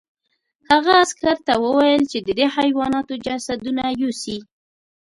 هغه عسکر ته وویل چې د دې حیواناتو جسدونه یوسي